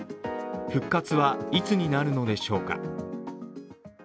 復活はいつになるのでしょうか。